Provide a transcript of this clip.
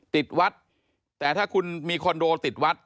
ติดวัดแต่ถ้าคุณมีคอนโดติดวัด